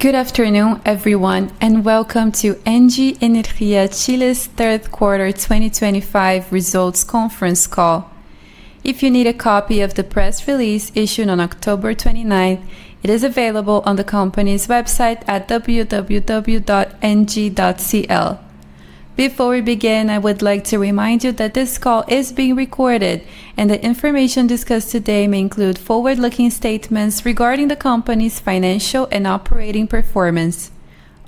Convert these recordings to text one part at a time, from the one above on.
Good afternoon, everyone, and welcome to Engie Energia Chile's third quarter 2025 results conference call. If you need a copy of the press release issued on October 29, it is available on the company's website at www.engie.cl. Before we begin, I would like to remind you that this call is being recorded, and the information discussed today may include forward-looking statements regarding the company's financial and operating performance.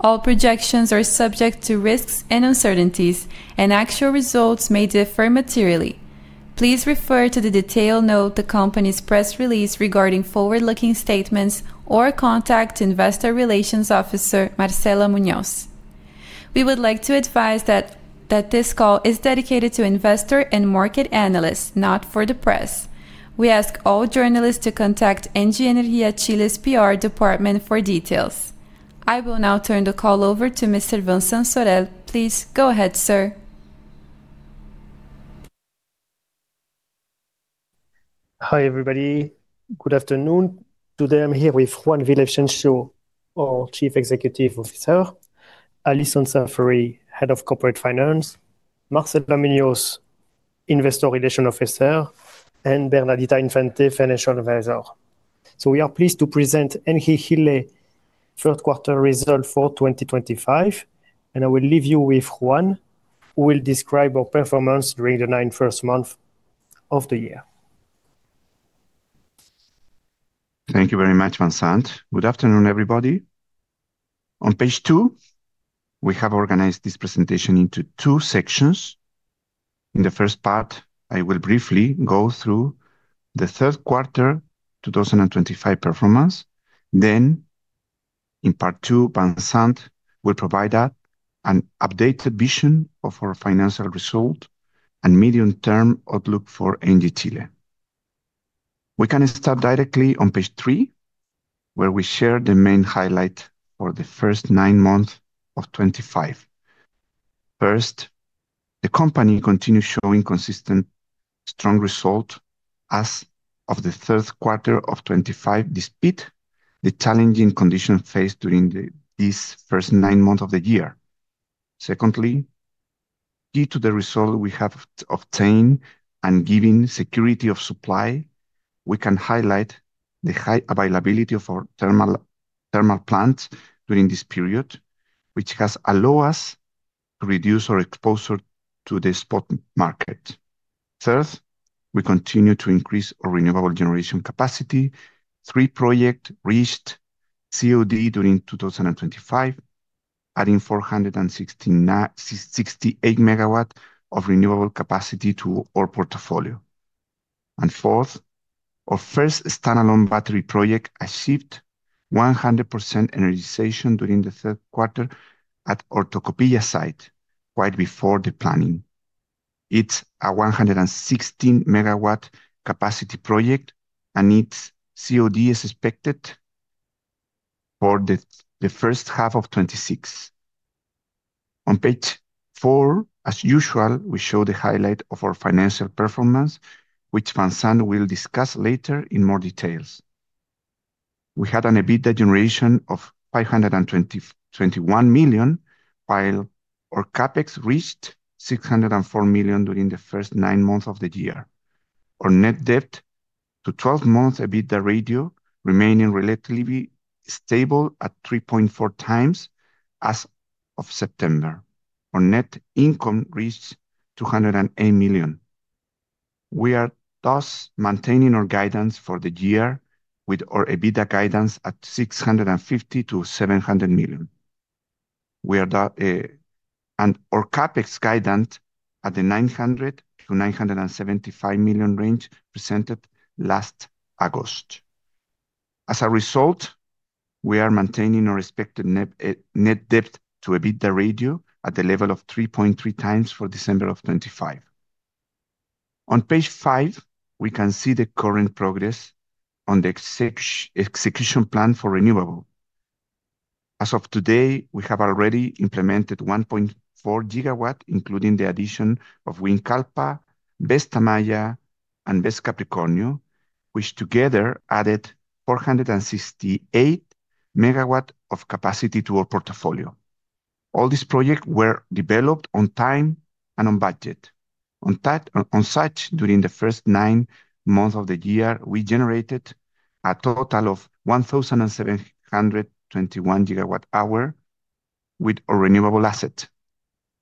All projections are subject to risks and uncertainties, and actual results may differ materially. Please refer to the detailed note in the company's press release regarding forward-looking statements or contact Investor Relations Officer Marcela Muñoz. We would like to advise that this call is dedicated to investor and market analysts, not for the press. We ask all journalists to contact Engie Energia Chile's PR department for details. I will now turn the call over to Mr. Vincent Sorel. Please go ahead, sir. Hi everybody, good afternoon. Today I'm here with Juan Villavicencio, our Chief Executive Officer, Alison Saffery, Head of Corporate Finance, Marcela Muñoz, Investor Relations Officer, and Bernardita Infante, Financial Advisor. We are pleased to present Engie Chile's third quarter result for 2025, and I will leave you with Juan, who will describe our performance during the ninth month of the year. Thank you very much, Vincent. Good afternoon, everybody. On page two, we have organized this presentation into two sections. In the first part, I will briefly go through the third quarter 2025 performance. In part two, Vincent will provide an updated vision of our financial result and medium-term outlook for Engie Energia Chile. We can start directly on page three, where we share the main highlights for the first nine months of 2025. First, the company continues showing consistent, strong results as of the third quarter of 2025, despite the challenging conditions faced during this first nine months of the year. Secondly, due to the result we have obtained and given security of supply, we can highlight the high availability of our thermal plants during this period, which has allowed us to reduce our exposure to the spot market. Third, we continue to increase our renewable generation capacity. Three projects reached COD during 2025, adding 468 MW of renewable capacity to our portfolio. Fourth, our first standalone battery project achieved 100% energization during the third quarter at Tocopilla site, quite before the planning. It is a 116 MW capacity project, and its COD is expected for the first half of 2026. On page four, as usual, we show the highlight of our financial performance, which Vincent will discuss later in more detail. We had an EBITDA generation of $521 million, while our capex reached $604 million during the first nine months of the year. Our net debt to 12-month EBITDA ratio remained relatively stable at 3.4 times as of September. Our net income reached $208 million. We are thus maintaining our guidance for the year with our EBITDA guidance at $650-$700 million and our capex guidance at the $900-$975 million range presented last August. As a result, we are maintaining our expected net debt to EBITDA ratio at the level of 3.3 times for December of 2025. On page five, we can see the current progress on the execution plan for renewable. As of today, we have already implemented 1.4 GW, including the addition of Wind Calpa, Vesta Maya, and Ves Capricornio, which together added 468 MW of capacity to our portfolio. All these projects were developed on time and on budget. On such during the first nine months of the year, we generated a total of 1,721 GWh with our renewable asset.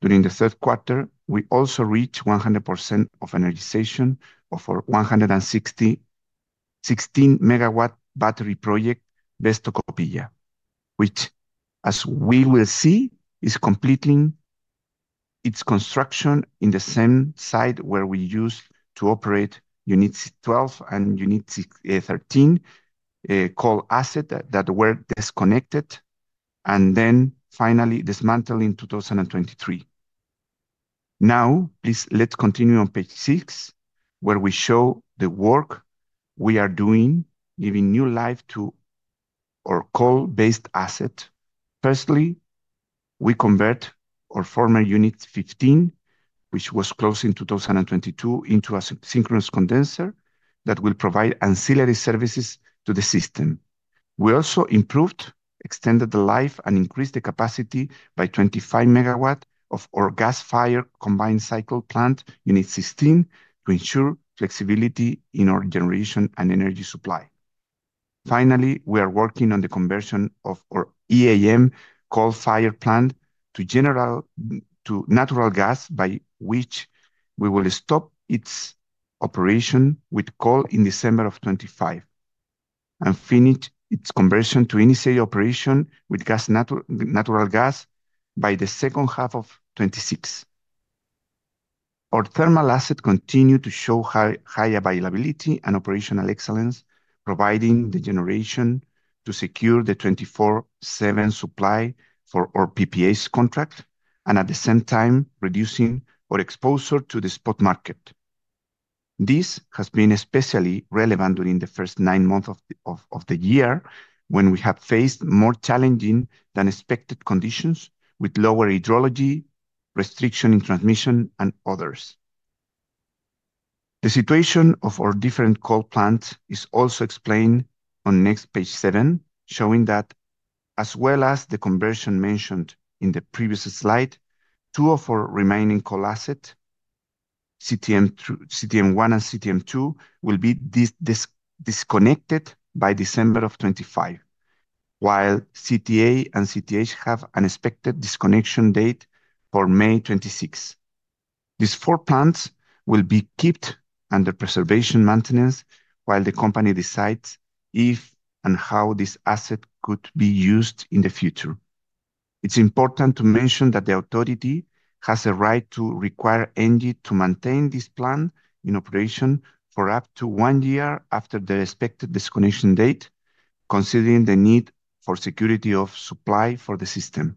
During the third quarter, we also reached 100% of energization of our 116 MW battery project, Ves Topopilla, which, as we will see, is completing its construction in the same site where we used to operate Unit 12 and Unit 13, coal asset that were disconnected and then finally dismantled in 2023. Now, let's continue on page six, where we show the work we are doing, giving new life to our coal-based asset. Firstly, we convert our former Unit 15, which was closed in 2022, into a synchronous condenser that will provide ancillary services to the system. We also improved, extended the life, and increased the capacity by 25 MW of our gas-fired combined cycle plant, Unit 16, to ensure flexibility in our generation and energy supply. Finally, we are working on the conversion of our EAM coal-fired plant to natural gas, by which we will stop its operation with coal in December of 2025, and finish its conversion to initial operation with natural gas by the second half of 2026. Our thermal asset continues to show high availability and operational excellence, providing the generation to secure the 24/7 supply for our PPA's contract, and at the same time, reducing our exposure to the spot market. This has been especially relevant during the first nine months of the year, when we have faced more challenging than expected conditions with lower hydrology, restriction in transmission, and others. The situation of our different coal plants is also explained on next page seven, showing that, as well as the conversion mentioned in the previous slide, two of our remaining coal assets, CTM1 and CTM2, will be disconnected by December of 2025, while CTA and CTH have an expected disconnection date for May 2026. These four plants will be kept under preservation maintenance while the company decides if and how this asset could be used in the future. It's important to mention that the authority has a right to require Engie to maintain this plant in operation for up to one year after the expected disconnection date, considering the need for security of supply for the system.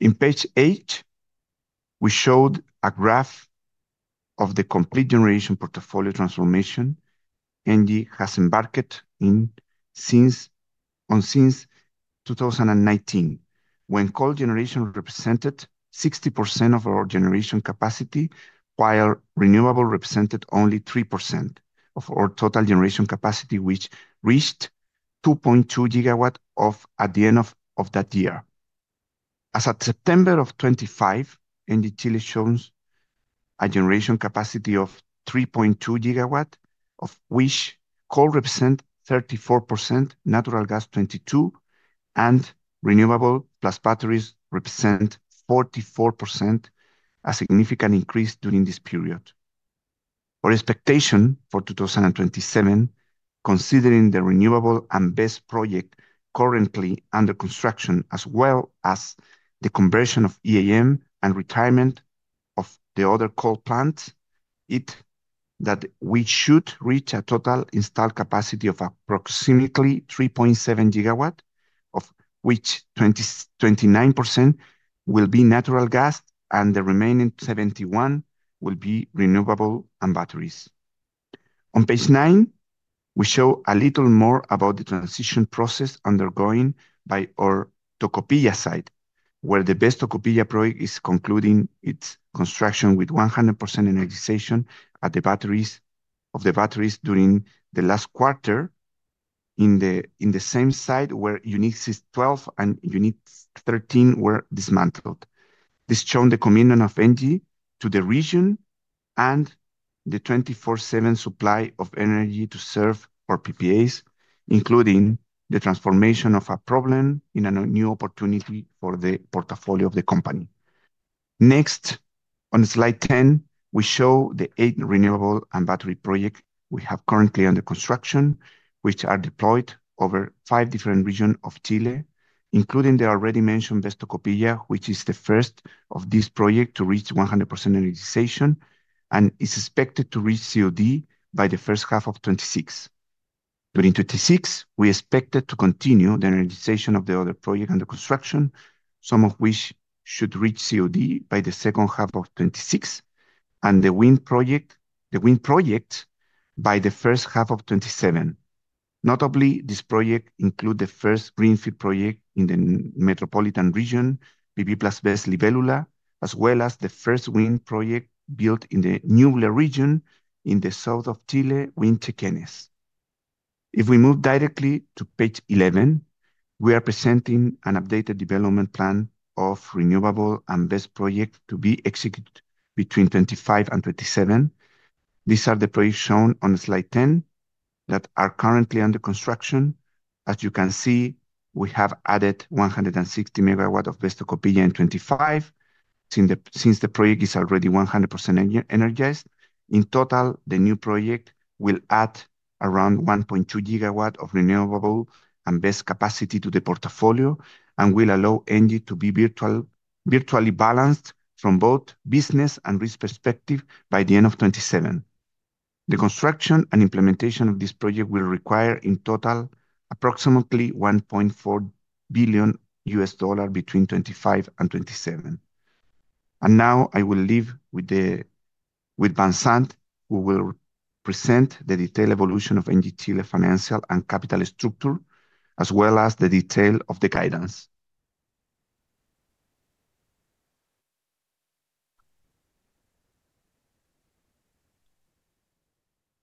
In page eight, we showed a graph of the complete generation portfolio transformation Engie has embarked on since 2019, when coal generation represented 60% of our generation capacity, while renewable represented only 3% of our total generation capacity, which reached 2.2 GW at the end of that year. As of September of 2025, Engie Energia Chile shows a generation capacity of 3.2 GW, of which coal represents 34%, natural gas 22%, and renewable plus batteries represent 44%, a significant increase during this period. Our expectation for 2027, considering the renewable and BESS project currently under construction, as well as the conversion of EAM and retirement of the other coal plants, is that we should reach a total installed capacity of approximately 3.7 GW, of which 29% will be natural gas and the remaining 71% will be renewable and batteries. On page nine, we show a little more about the transition process undergoing by Tocopilla site, where the Ves Topopilla project is concluding its construction with 100% energization of the batteries during the last quarter, in the same site where Unit 12 and Unit 13 were dismantled. This shows the commitment of Engie to the region and the 24/7 supply of energy to serve our PPAs, including the transformation of a problem into a new opportunity for the portfolio of the company. Next, on slide 10, we show the eight renewable and battery projects we have currently under construction, which are deployed over five different regions of Chile, including the already mentioned Ves Topopilla, which is the first of these projects to reach 100% energization and is expected to reach COD by the first half of 2026. During 2026, we expect to continue the energization of the other projects under construction, some of which should reach COD by the second half of 2026, and the wind projects by the first half of 2027. Notably, these projects include the first greenfield project in the Metropolitan Region, PP+VESS Libélula, as well as the first wind project built in the Ñuble Region in the south of Chile, Wind Tequenes. If we move directly to page 11, we are presenting an updated development plan of renewable and BESS projects to be executed between 2025 and 2027. These are the projects shown on slide 10 that are currently under construction. As you can see, we have added 160 MW of Ves Topopilla in 2025. Since the project is already 100% energized, in total, the new project will add around 1.2 GW of renewable and BESS capacity to the portfolio and will allow Engie Energia Chile to be virtually balanced from both business and risk perspective by the end of 2027. The construction and implementation of this project will require in total approximately $1.4 billion between 2025 and 2027. Now I will leave with Vincent, who will present the detailed evolution of Engie Energia Chile's financial and capital structure, as well as the detail of the guidance.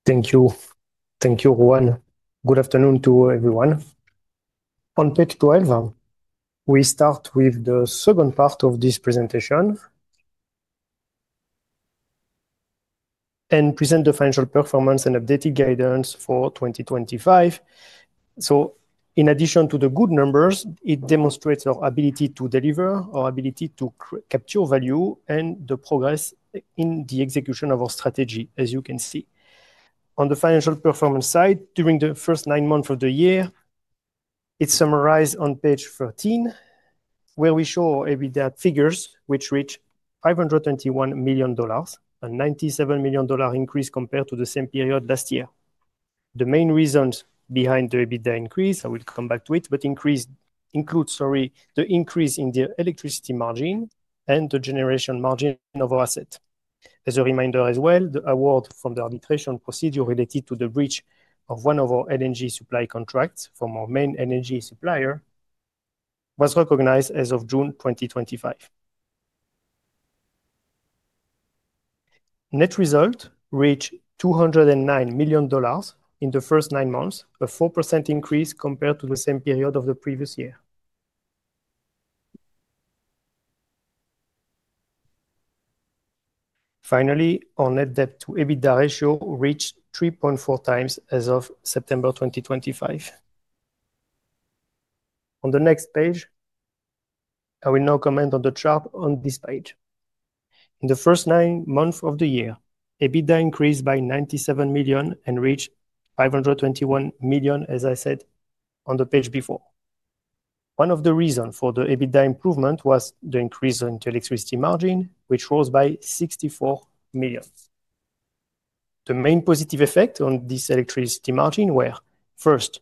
Thank you. Thank you, Juan. Good afternoon to everyone. On page 12, we start with the second part of this presentation and present the financial performance and updated guidance for 2025. In addition to the good numbers, it demonstrates our ability to deliver, our ability to capture value, and the progress in the execution of our strategy, as you can see. On the financial performance side, during the first nine months of the year, it is summarized on page 13, where we show EBITDA figures, which reach $521 million, a $97 million increase compared to the same period last year. The main reasons behind the EBITDA increase, I will come back to it, but include, sorry, the increase in the electricity margin and the generation margin of our asset. As a reminder as well, the award from the arbitration procedure related to the breach of one of our LNG supply contracts from our main LNG supplier was recognized as of June 2025. Net result reached $209 million in the first nine months, a 4% increase compared to the same period of the previous year. Finally, our net debt to EBITDA ratio reached 3.4 times as of September 2025. On the next page, I will now comment on the chart on this page. In the first nine months of the year, EBITDA increased by $97 million and reached $521 million, as I said on the page before. One of the reasons for the EBITDA improvement was the increase in the electricity margin, which rose by $64 million. The main positive effects on this electricity margin were, first,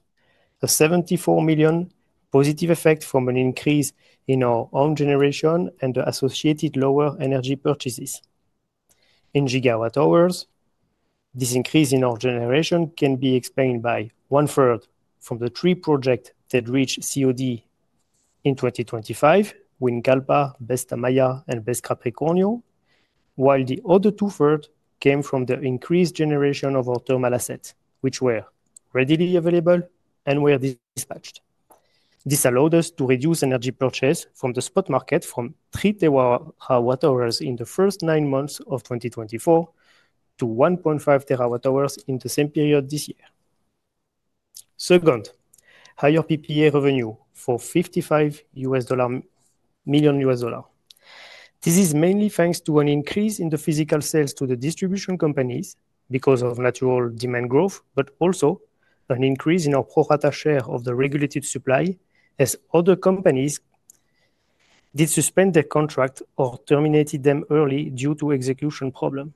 a $74 million positive effect from an increase in our own generation and the associated lower energy purchases. In gigawatt-hours, this increase in our generation can be explained by one-third from the three projects that reached COD in 2025: Wind Calpa, Ves Maya, and Ves Capricornio, while the other two-thirds came from the increased generation of our thermal assets, which were readily available and were dispatched. This allowed us to reduce energy purchase from the spot market from 3 TWh in the first nine months of 2024 to 1.5 TWh in the same period this year. Second, higher PPA revenue for $55 million. This is mainly thanks to an increase in the physical sales to the distribution companies because of natural demand growth, but also an increase in our pro-rata share of the regulated supply, as other companies did suspend their contracts or terminated them early due to execution problems.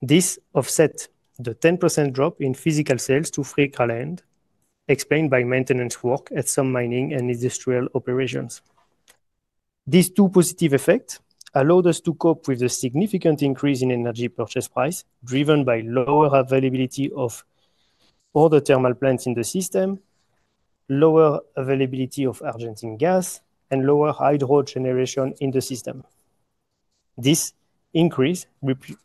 This offset the 10% drop in physical sales to freight clients, explained by maintenance work at some mining and industrial operations. These two positive effects allowed us to cope with the significant increase in energy purchase price, driven by lower availability of other thermal plants in the system, lower availability of Argentine gas, and lower hydro generation in the system. This increase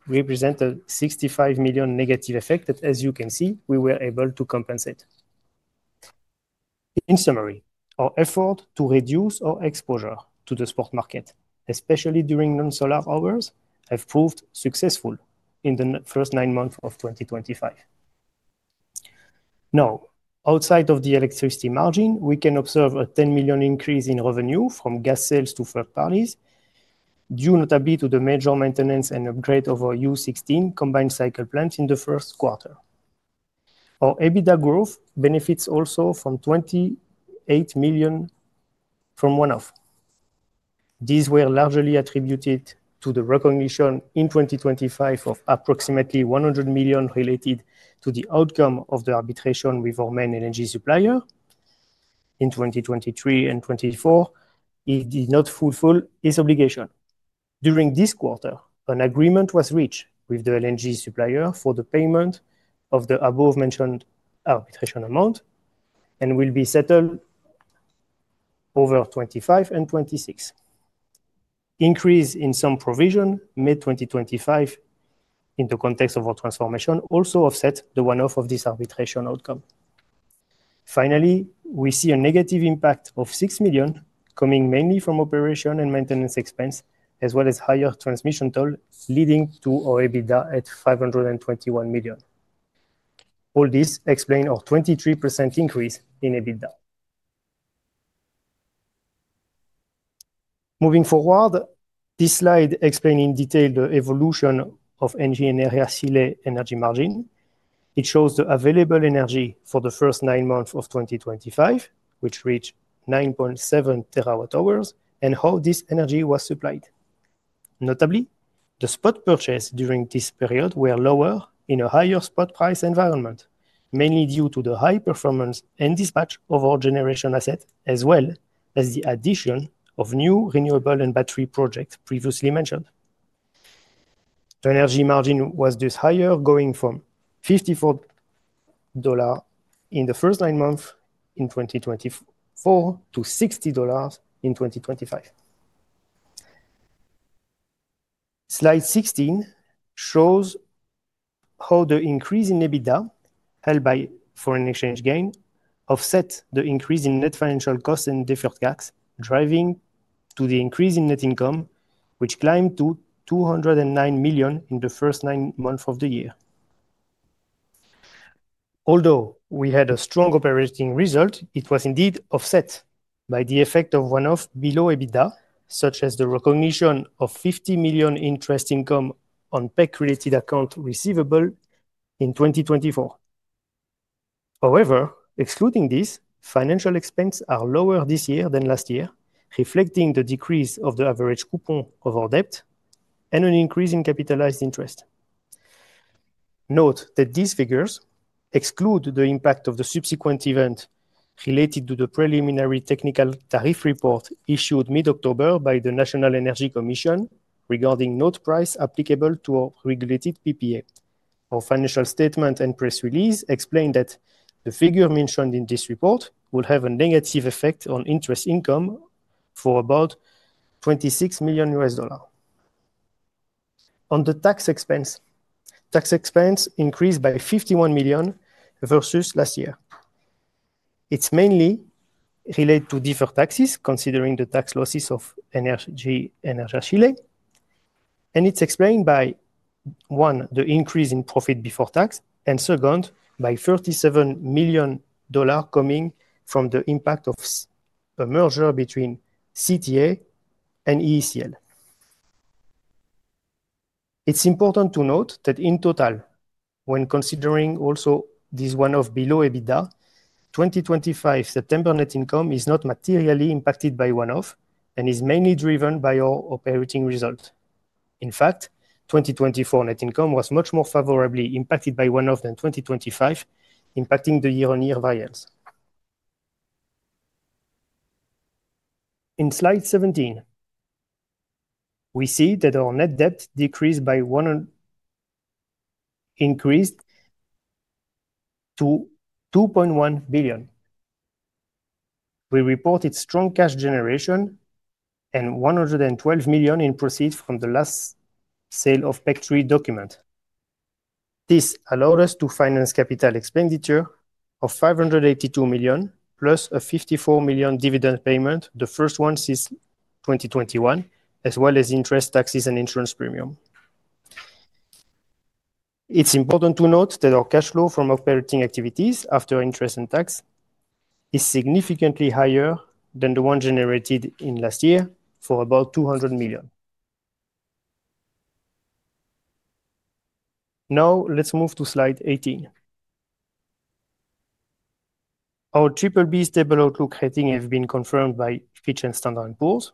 represented a $65 million negative effect that, as you can see, we were able to compensate. In summary, our effort to reduce our exposure to the spot market, especially during non-solar hours, has proved successful in the first nine months of 2025. Now, outside of the electricity margin, we can observe a $10 million increase in revenue from gas sales to third parties, due notably to the major maintenance and upgrade of our U16 combined cycle plants in the first quarter. Our EBITDA growth benefits also from $28 million from one-off. These were largely attributed to the recognition in 2025 of approximately $100 million related to the outcome of the arbitration with our main LNG supplier. In 2023 and 2024, it did not fulfill its obligation. During this quarter, an agreement was reached with the LNG supplier for the payment of the above-mentioned arbitration amount and will be settled over 2025 and 2026. Increase in some provision mid-2025 in the context of our transformation also offsets the one-off of this arbitration outcome. Finally, we see a negative impact of $6 million coming mainly from operation and maintenance expense, as well as higher transmission tolls, leading to our EBITDA at $521 million. All this explains our 23% increase in EBITDA. Moving forward, this slide explains in detail the evolution of Engie Energia Chile energy margin. It shows the available energy for the first nine months of 2025, which reached 9.7 terawatt-hours, and how this energy was supplied. Notably, the spot purchases during this period were lower in a higher spot price environment, mainly due to the high performance and dispatch of our generation asset, as well as the addition of new renewable and battery projects previously mentioned. The energy margin was thus higher, going from $54 in the first nine months in 2024 to $60 in 2025. Slide 16 shows how the increase in EBITDA held by foreign exchange gain offsets the increase in net financial costs and deferred gaps, driving to the increase in net income, which climbed to $209 million in the first nine months of the year. Although we had a strong operating result, it was indeed offset by the effect of one-off below EBITDA, such as the recognition of $50 million interest income on PEC-related account receivable in 2024. However, excluding this, financial expenses are lower this year than last year, reflecting the decrease of the average coupon of our debt and an increase in capitalized interest. Note that these figures exclude the impact of the subsequent event related to the preliminary technical tariff report issued mid-October by the National Energy Commission regarding note price applicable to our regulated PPA. Our financial statement and press release explain that the figure mentioned in this report will have a negative effect on interest income for about $26 million. On the tax expense, tax expense increased by $51 million versus last year. It's mainly related to deferred taxes, considering the tax losses of Engie Energia Chile. And it's explained by, one, the increase in profit before tax, and second, by $37 million coming from the impact of a merger between CTA and EECL. It's important to note that in total, when considering also this one-off below EBITDA, 2025 September net income is not materially impacted by one-off and is mainly driven by our operating result. In fact, 2024 net income was much more favorably impacted by one-off than 2025, impacting the year-on-year variance. In slide 17, we see that our net debt decreased by 100, increased to $2.1 billion. We reported strong cash generation and $112 million in proceeds from the last sale of PEC 3 document. This allowed us to finance capital expenditure of $582 million, plus a $54 million dividend payment, the first one since 2021, as well as interest, taxes, and insurance premium. It's important to note that our cash flow from operating activities after interest and tax is significantly higher than the one generated in last year for about $200 million. Now, let's move to slide 18. Our BBB stable outlook rating has been confirmed by Fitch Ratings and Standard & Poor's.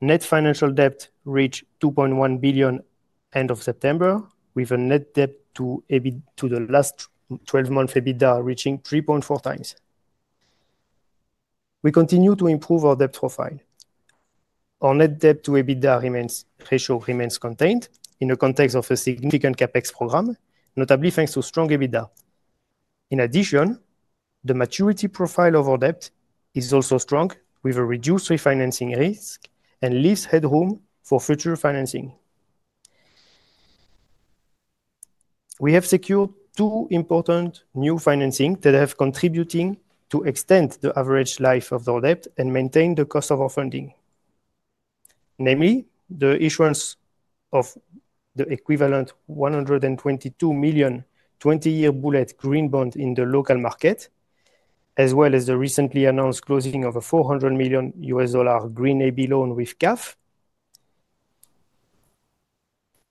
Net financial debt reached $2.1 billion end of September, with a net debt to EBITDA for the last 12 months reaching 3.4 times. We continue to improve our debt profile. Our net debt to EBITDA ratio remains contained in the context of a significant CapEx program, notably thanks to strong EBITDA. In addition, the maturity profile of our debt is also strong, with a reduced refinancing risk and leaves headroom for future financing. We have secured two important new financing that have contributed to extend the average life of our debt and maintain the cost of our funding. Namely, the issuance of the equivalent of $122 million 20-year bullet green bond in the local market, as well as the recently announced closing of a $400 million green loan with CAF,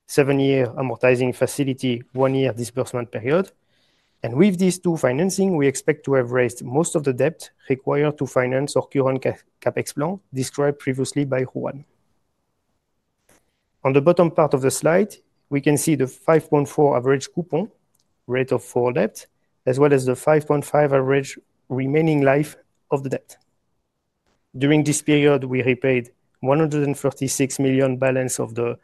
seven-year amortizing facility, one-year disbursement period. With these two financing, we expect to have raised most of the debt required to finance our current CapEx plan, described previously by Juan. On the bottom part of the slide, we can see the 5.4% average coupon rate of our debt, as well as the 5.5-year average remaining life of the debt. During this period, we repaid $136 million balance of the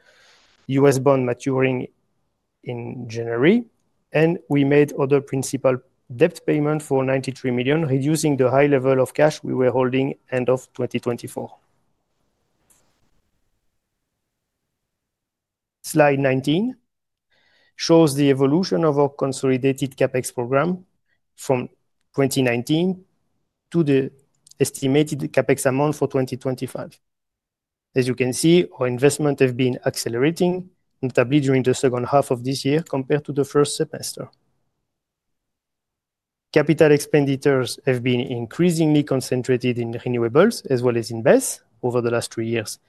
US bond maturing in January, and we made other principal debt payment for $93 million, reducing the high level of cash we were holding end of 2024. Slide 19 shows the evolution of our consolidated CapEx program from 2019 to the estimated CapEx amount for 2025. As you can see, our investment has been accelerating, notably during the second half of this year compared to the first semester. Capital expenditures have been increasingly concentrated in renewables as well as in BESS over the last three years.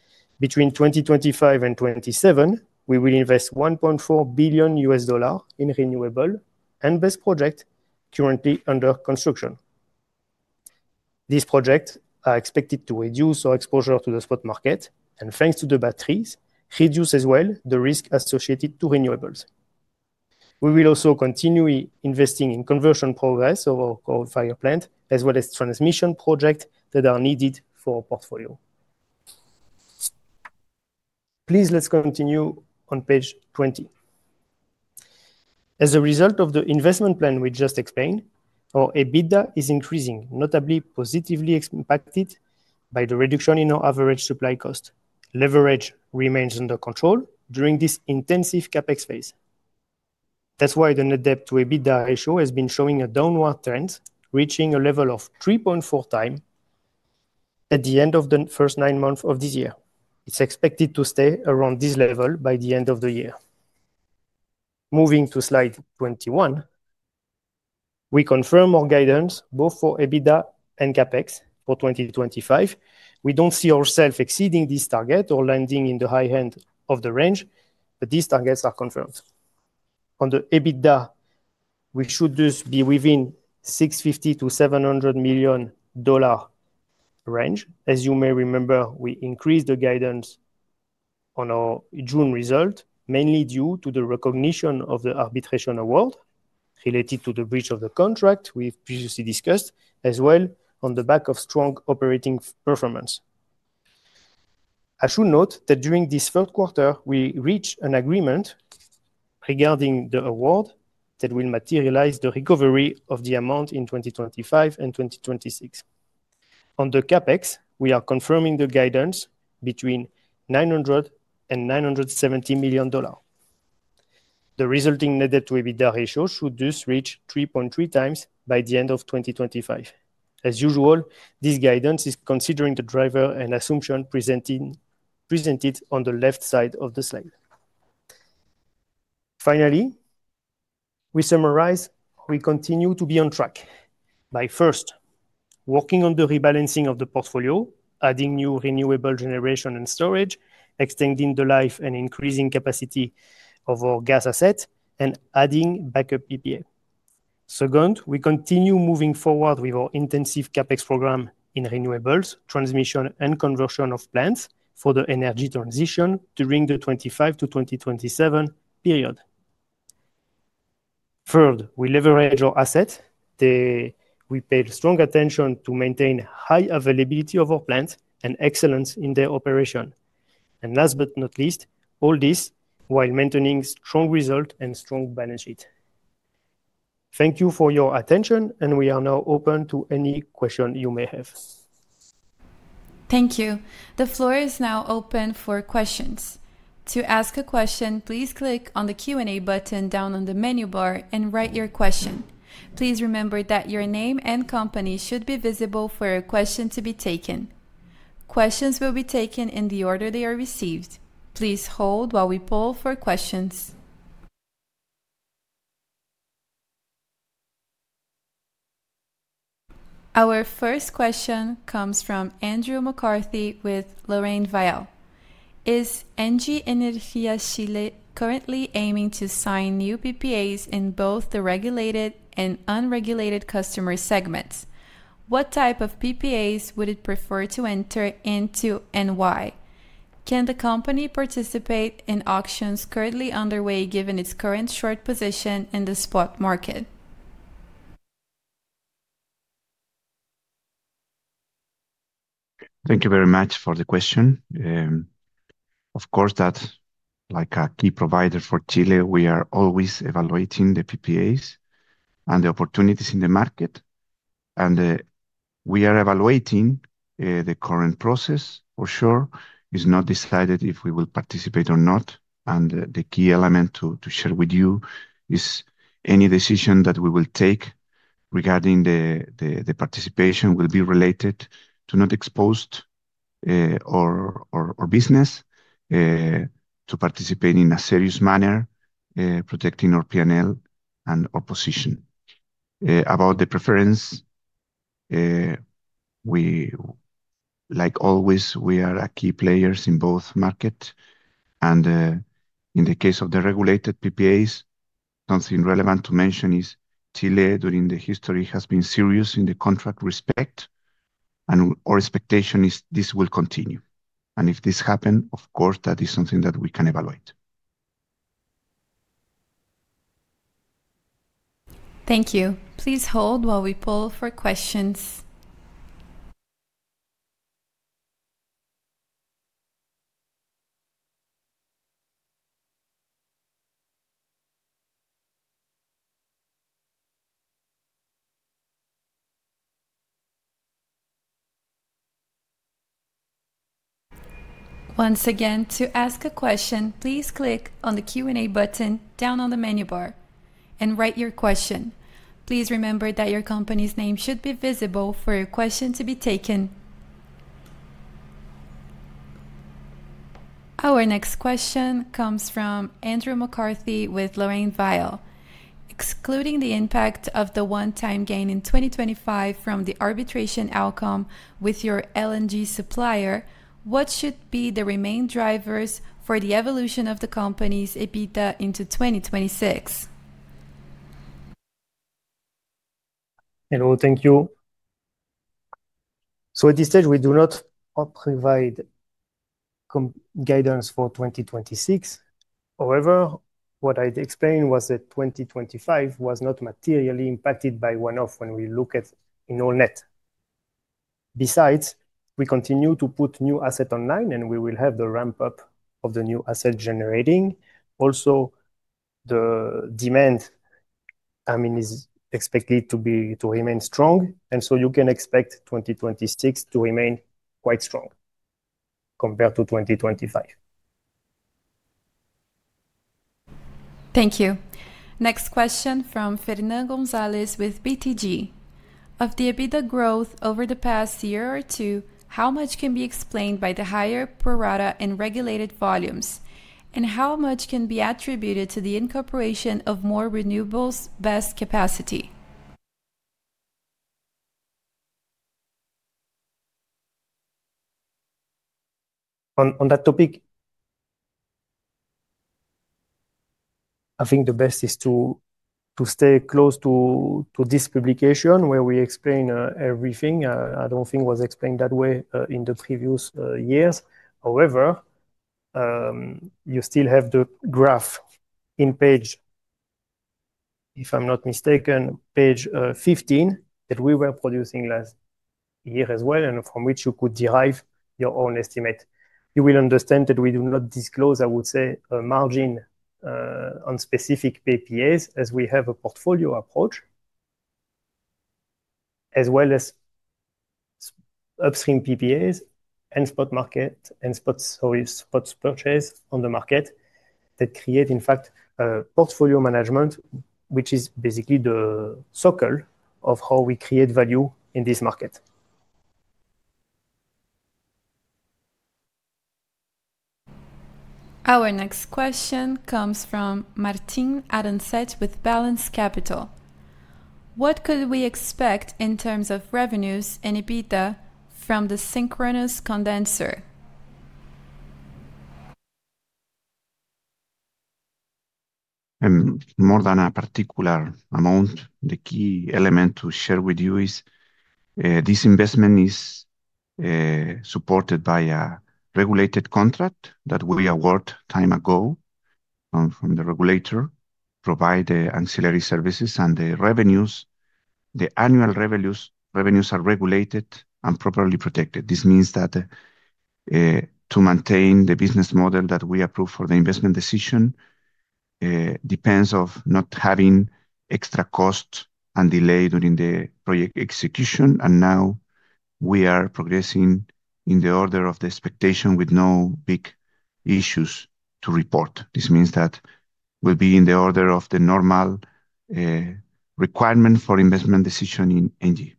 Between 2025 and 2027, we will invest $1.4 billion in renewable and BESS projects currently under construction. These projects are expected to reduce our exposure to the spot market, and thanks to the batteries, reduce as well the risk associated with renewables. We will also continue investing in conversion progress of our coal-fired plant, as well as transmission projects that are needed for our portfolio. Please, let's continue on page 20. As a result of the investment plan we just explained, our EBITDA is increasing, notably positively impacted by the reduction in our average supply cost. Leverage remains under control during this intensive CapEx phase. That's why the net debt to EBITDA ratio has been showing a downward trend, reaching a level of 3.4 times at the end of the first nine months of this year. It's expected to stay around this level by the end of the year. Moving to slide 21, we confirm our guidance both for EBITDA and CapEx for 2025. We don't see ourselves exceeding this target or landing in the high end of the range, but these targets are confirmed. On the EBITDA, we should thus be within $650 million-$700 million range. As you may remember, we increased the guidance on our June result, mainly due to the recognition of the arbitration award related to the breach of the contract we've previously discussed, as well on the back of strong operating performance. I should note that during this third quarter, we reached an agreement regarding the award that will materialize the recovery of the amount in 2025 and 2026. On the CapEx, we are confirming the guidance between $900 million and $970 million. The resulting net debt to EBITDA ratio should thus reach 3.3 times by the end of 2025. As usual, this guidance is considering the driver and assumption presented on the left side of the slide. Finally, we summarize; we continue to be on track by first working on the rebalancing of the portfolio, adding new renewable generation and storage, extending the life and increasing capacity of our gas asset, and adding backup EPA. Second, we continue moving forward with our intensive CapEx program in renewables, transmission, and conversion of plants for the energy transition during the 2025 to 2027 period. Third, we leverage our assets. We pay strong attention to maintain high availability of our plants and excellence in their operation. Last but not least, all this while maintaining strong results and strong balance sheets. Thank you for your attention, and we are now open to any question you may have. Thank you. The floor is now open for questions. To ask a question, please click on the Q&A button down on the menu bar and write your question. Please remember that your name and company should be visible for a question to be taken. Questions will be taken in the order they are received. Please hold while we poll for questions. Our first question comes from Andrew McCarthy with Lorraine Vail. Is Engie Energia Chile currently aiming to sign new PPAs in both the regulated and unregulated customer segments? What type of PPAs would it prefer to enter into and why? Can the company participate in auctions currently underway given its current short position in the spot market? Thank you very much for the question. Of course, that's like a key provider for Chile. We are always evaluating the PPAs and the opportunities in the market. We are evaluating the current process for sure. It is not decided if we will participate or not. The key element to share with you is any decision that we will take regarding the participation will be related to not exposing our business to participate in a serious manner, protecting our P&L and our position. About the preference, like always, we are key players in both markets. In the case of the regulated PPAs, something relevant to mention is Chile during the history has been serious in the contract respect. Our expectation is this will continue. If this happens, of course, that is something that we can evaluate. Thank you. Please hold while we poll for questions. Once again, to ask a question, please click on the Q&A button down on the menu bar and write your question. Please remember that your company's name should be visible for your question to be taken. Our next question comes from Andrew McCarthy with Lorraine Vail. Excluding the impact of the one-time gain in 2025 from the arbitration outcome with your LNG supplier, what should be the remaining drivers for the evolution of the company's EBITDA into 2026? Hello, thank you. At this stage, we do not provide guidance for 2026. However, what I explained was that 2025 was not materially impacted by one-off when we look at in all net. Besides, we continue to put new assets online, and we will have the ramp-up of the new asset generating. Also, the demand, I mean, is expected to remain strong. You can expect 2026 to remain quite strong compared to 2025. Thank you. Next question from Ferdinand Gonzalez with BTG. Of the EBITDA growth over the past year or two, how much can be explained by the higher prorata and regulated volumes, and how much can be attributed to the incorporation of more renewables BESS capacity? On that topic, I think the best is to stay close to this publication where we explain everything. I do not think it was explained that way in the previous years. However, you still have the graph in page, if I am not mistaken, page 15 that we were producing last year as well, and from which you could derive your own estimate. You will understand that we do not disclose, I would say, a margin on specific PPAs as we have a portfolio approach, as well as upstream PPAs and spot market and spot purchase on the market that create, in fact, portfolio management, which is basically the circle of how we create value in this market. Our next question comes from Martin Arenset with Balance Capital. What could we expect in terms of revenues and EBITDA from the synchronous condenser? More than a particular amount, the key element to share with you is this investment is supported by a regulated contract that we awarded time ago from the regulator, providing ancillary services, and the revenues, the annual revenues are regulated and properly protected. This means that to maintain the business model that we approved for the investment decision depends on not having extra costs and delays during the project execution. Now we are progressing in the order of the expectation with no big issues to report. This means that we'll be in the order of the normal requirement for investment decision in Engie Energia Chile.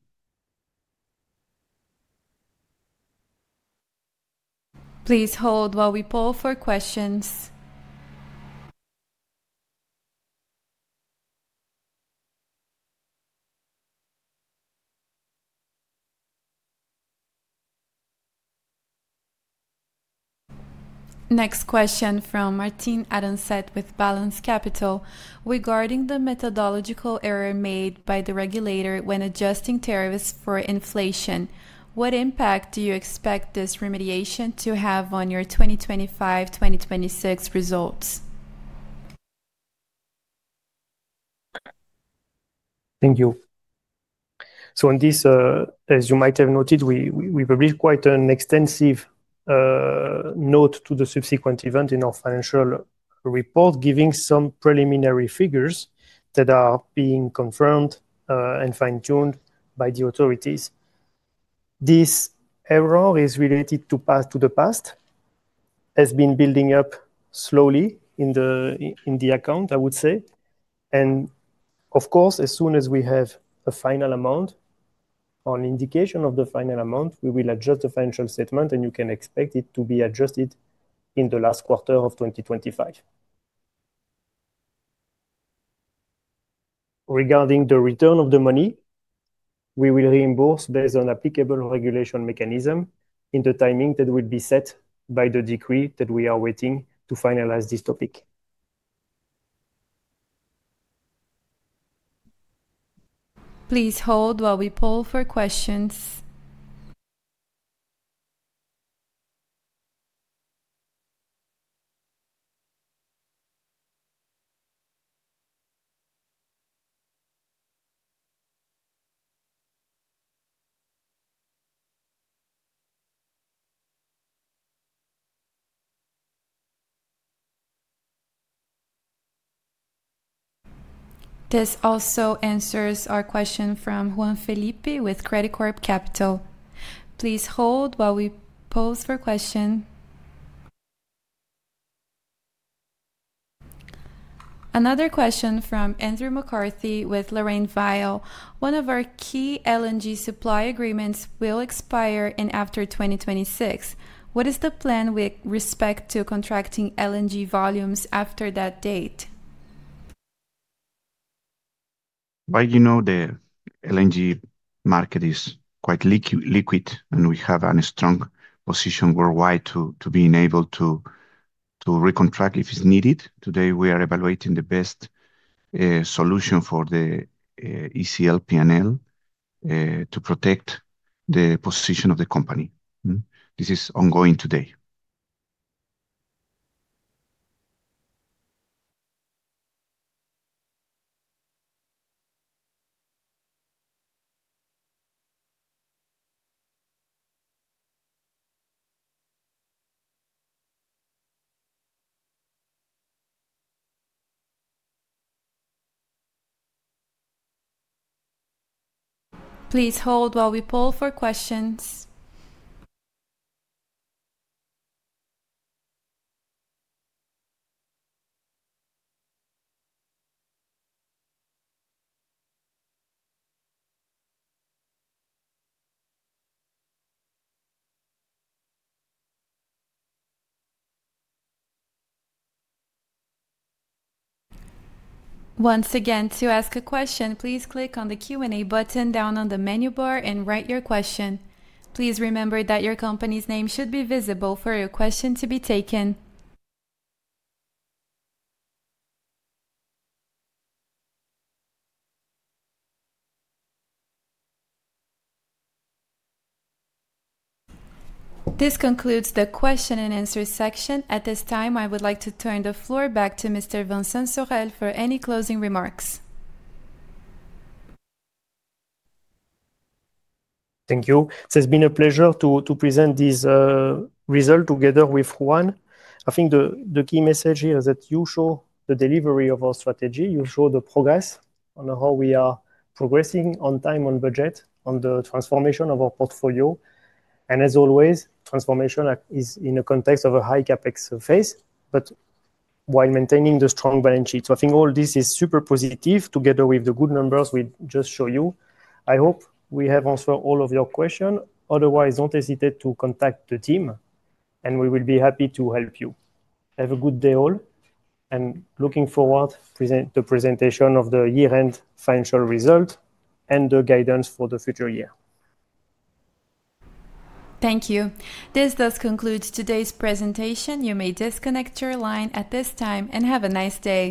Please hold while we poll for questions. Next question from Martin Arenset with Balance Capital regarding the methodological error made by the regulator when adjusting tariffs for inflation. What impact do you expect this remediation to have on your 2025-2026 results? Thank you. On this, as you might have noted, we released quite an extensive note to the subsequent event in our financial report, giving some preliminary figures that are being confirmed and fine-tuned by the authorities. This error is related to the past, has been building up slowly in the account, I would say. Of course, as soon as we have a final amount or an indication of the final amount, we will adjust the financial statement, and you can expect it to be adjusted in the last quarter of 2025. Regarding the return of the money, we will reimburse based on the applicable regulation mechanism in the timing that will be set by the decree that we are waiting to finalize this topic. Please hold while we poll for questions. This also answers our question from Juan Felipe with Credit Corp Capital. Please hold while we poll for questions. Another question from Andrew McCarthy with Lorraine Vail. One of our key LNG supply agreements will expire in after 2026. What is the plan with respect to contracting LNG volumes after that date? You know, the LNG market is quite liquid, and we have a strong position worldwide to be able to recontract if it's needed. Today, we are evaluating the best solution for the ECL P&L to protect the position of the company. This is ongoing today. Please hold while we poll for questions. Once again, to ask a question, please click on the Q&A button down on the menu bar and write your question. Please remember that your company's name should be visible for your question to be taken. This concludes the question and answer section. At this time, I would like to turn the floor back to Mr. Vincent Sorel for any closing remarks. Thank you. It has been a pleasure to present these results together with Juan. I think the key message here is that you show the delivery of our strategy. You show the progress on how we are progressing on time, on budget, on the transformation of our portfolio. As always, transformation is in the context of a high CapEx phase, but while maintaining the strong balance sheet. I think all this is super positive together with the good numbers we just showed you. I hope we have answered all of your questions. Otherwise, do not hesitate to contact the team, and we will be happy to help you. Have a good day all, and looking forward to the presentation of the year-end financial result and the guidance for the future year. Thank you. This does conclude today's presentation. You may disconnect your line at this time and have a nice day.